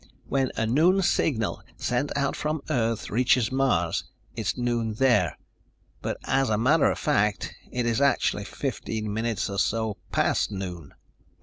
When a noon signal sent out from Earth reaches Mars, it's noon there, but as a matter of fact, it is actually 15 minutes or so past noon.